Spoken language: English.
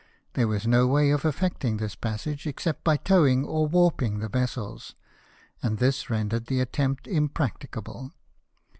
There was no way of effecting this passage, except by towing or warping the vessels : and this rendered the attempt impracticable.